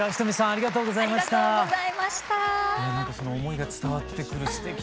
ありがとうございます。